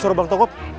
suruh bang toib